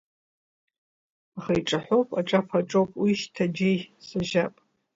Аха иҿаҳәоуп, аҿаԥа аҿоуп, уи шьҭа џьеи сажьап.